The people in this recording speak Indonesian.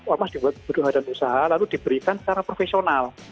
ormas dibuat berdung badan usaha lalu diberikan secara profesional